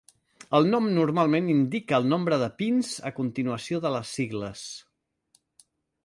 El nom normalment indica el nombre de pins a continuació de les sigles.